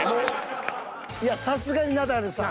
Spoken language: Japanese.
いやさすがにナダルさん。